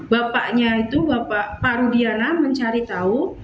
bapaknya itu pak rudiana mencari tahu